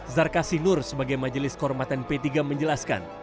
zarkasinur sebagai majelis kehormatan p tiga menjelaskan